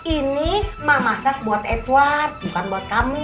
ini mak masak buat edward bukan buat kamu